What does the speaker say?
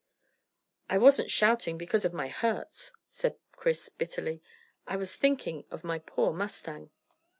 "I wasn't shouting because of my hurts," said Chris bitterly. "I was thinking of my poor mustang."